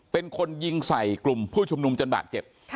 เป็นคนยิงใส่กลุ่มผู้ชุมนุมจนบาดเจ็บ